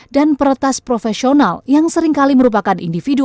dan peretas profesional yang seringkali merupakan individu